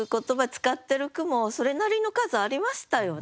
使ってる句もそれなりの数ありましたよね。